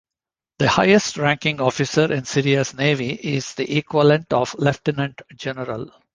The highest-ranking officer in Syria's navy is the equivalent of lieutenant general.